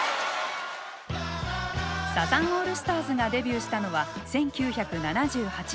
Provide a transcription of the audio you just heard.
サザンオールスターズがデビューしたのは１９７８年。